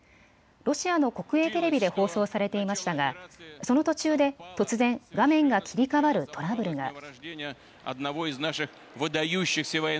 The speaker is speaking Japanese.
ロシアの国営テレビで放送されていましたがその途中で突然、画面が切り替わるトラブルが。